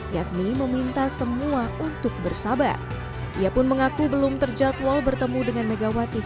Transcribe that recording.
yakni meminta semua untuk bersabar ia pun mengaku belum terjadwal bertemu dengan megawati